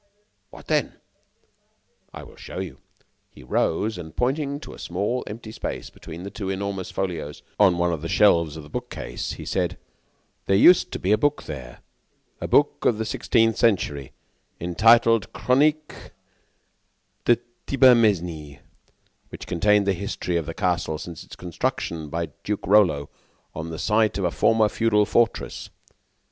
"What then?" "I will show you." He rose, and pointing to a small empty space between the two enormous folios on one of the shelves of the bookcase, he said: "There used to be a book there a book of the sixteenth century entitled 'Chronique de Thibermesnil,' which contained the history of the castle since its construction by Duke Rollo on the site of a former feudal fortress.